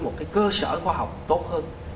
một cái cơ sở khoa học tốt hơn